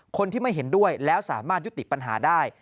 คนที่ไม่เห็นด้วยแล้วสามารถยุติปัญหาได้